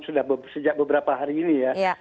sudah sejak beberapa hari ini ya